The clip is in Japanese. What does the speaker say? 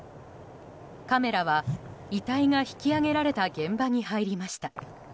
カメラは、遺体が引き上げられた現場に入りました。